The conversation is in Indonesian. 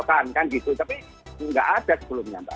tapi nggak ada sebelumnya